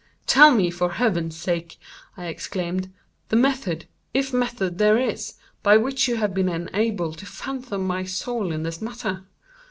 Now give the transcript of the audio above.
"Tell me, for Heaven's sake," I exclaimed, "the method—if method there is—by which you have been enabled to fathom my soul in this matter."